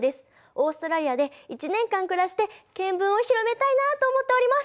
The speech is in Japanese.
オーストラリアで１年間暮らして見聞を広めたいなと思っております！